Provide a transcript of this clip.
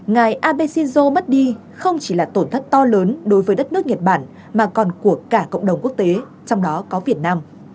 ngài abe shinzo mất đi không chỉ là tổn thất to lớn đối với đất nước nhật bản mà còn của cả cộng đồng quốc tế trong đó có việt nam